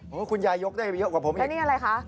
โอ้โฮคุณยายยกได้เยอะกว่าผมอืมมเหนียวอะไรคะ